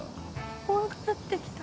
怖くなってきた。